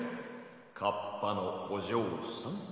カッパのおじょうさん。